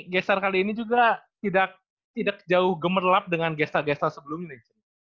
gestar kali ini juga tidak jauh gemerlap dengan gestar gestar sebelumnya